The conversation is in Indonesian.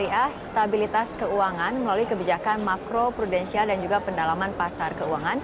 evakuasi medis perubahan ke depan